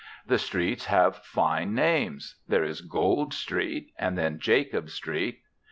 The streets have fine names: there is Gold Street, and then Jacob Street.